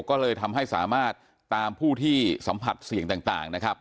ก็เลยทำให้สามารถตามผู้ที่สัมผัสเสี่ยงต่างนะครับ